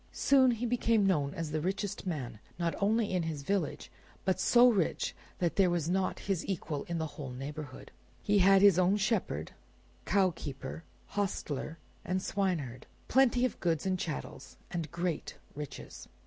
Soon he became known as the richest man, not only in his own village, but so rich that there was not his equal in the whole neighborhood. He had his own shepherd, cow keeper, hostler, and swineherd; plenty of goods and chattels, and great riches.